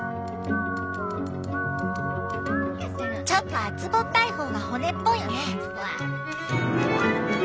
ちょっと厚ぼったい方が骨っぽいね。